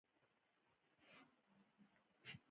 رومیان له ډوډۍ سره هر وخت خوند کوي